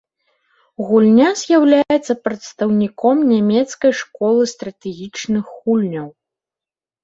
Гульня з'яўляецца прадстаўніком нямецкай школы стратэгічных гульняў.